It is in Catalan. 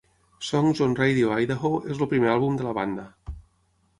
"Songs on Radio Idaho" és el primer àlbum de la banda.